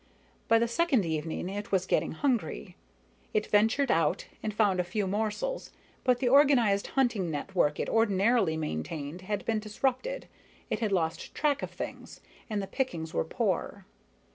By the second evening, it was getting hungry. It ventured out and found a few morsels, but the organized hunting network it ordinarily maintained had been disrupted, it had lost track of things, and the pickings were poor.